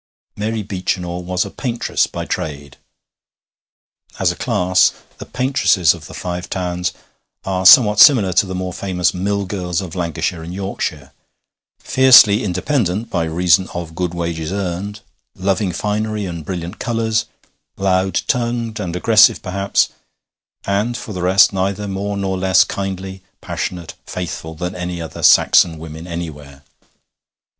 Mary Beechinor was a paintress by trade. As a class the paintresses of the Five Towns are somewhat similar to the more famous mill girls of Lancashire and Yorkshire fiercely independent by reason of good wages earned, loving finery and brilliant colours, loud tongued and aggressive, perhaps, and for the rest neither more nor less kindly, passionate, faithful, than any other Saxon women anywhere.